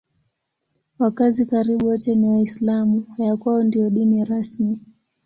Wakazi karibu wote ni Waislamu; ya kwao ndiyo dini rasmi.